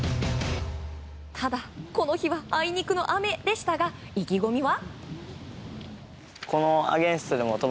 ただ、この日はあいにくの雨でしたが意気込みは？